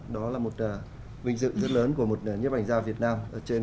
đó là một vinh dự rất lớn của một nhếp ảnh gia việt nam